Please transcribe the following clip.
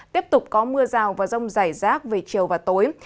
tiếp tục có mưa rào và rông rải rác về chiều và tối